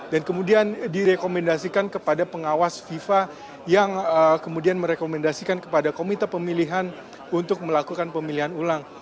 dan kemudian direkomendasikan kepada pengawas fifa yang kemudian merekomendasikan kepada komite pemilihan untuk melakukan pemilihan ulang